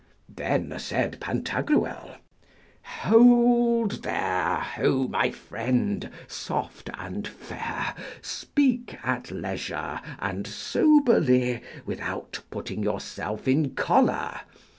Then said Pantagruel, Hold there! Ho, my friend, soft and fair, speak at leisure and soberly without putting yourself in choler.